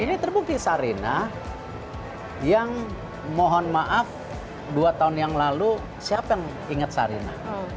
ini terbukti sarina yang mohon maaf dua tahun yang lalu siapa yang ingat sarina